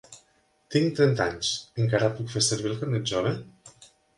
Tinc trenta anys. Encara puc fer servir el carnet jove?